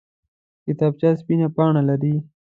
کتابچه سپینه پاڼه لري